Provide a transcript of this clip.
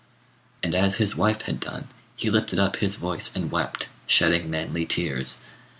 And as his wife had done, he lifted up his voice and wept, shedding manly tears.